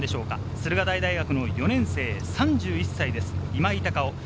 駿河台大学４年生、３１歳、今井隆生。